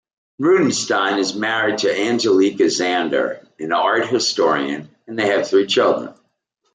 Rudenstine is married to Angelica Zander, an art historian, and they have three children.